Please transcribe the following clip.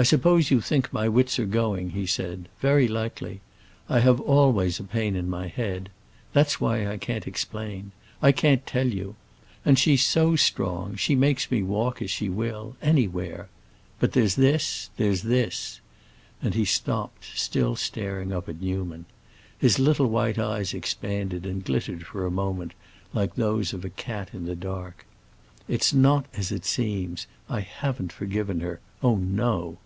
"I suppose you think my wits are going," he said. "Very likely; I have always a pain in my head. That's why I can't explain, I can't tell you. And she's so strong, she makes me walk as she will, anywhere! But there's this—there's this." And he stopped, still staring up at Newman. His little white eyes expanded and glittered for a moment like those of a cat in the dark. "It's not as it seems. I haven't forgiven her. Oh, no!"